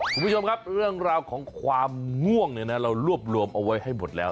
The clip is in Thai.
คุณผู้ชมครับเรื่องราวของความง่วงเนี่ยนะเรารวบรวมเอาไว้ให้หมดแล้ว